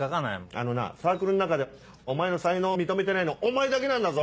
あのなサークルん中でお前の才能を認めてないのお前だけなんだぞ！